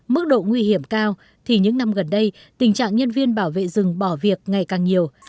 mức độ nguy hiểm cao thì những năm gần đây tình trạng nhân viên bảo vệ rừng bỏ việc ngày càng nhiều